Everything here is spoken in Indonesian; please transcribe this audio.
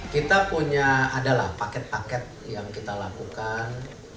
kita punya adalah paket paket yang kita lakukan